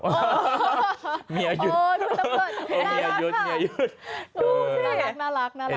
โอ้โฮมียยุทธ์โอ้โฮคุณตำรวจน่ารักค่ะ